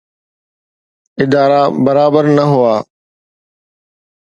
ادارا برابر نه هئا.